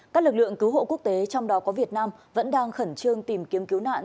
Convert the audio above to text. các lực lượng cứu hộ quốc tế trong đó có việt nam vẫn đang khẩn trương tìm kiếm cứu nạn